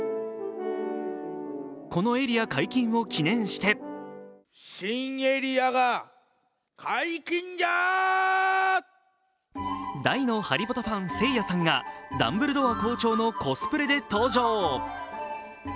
このエリア解禁を記念して大のハリポタファン、せいやさんがダンブルドア校長のコスプレで登場。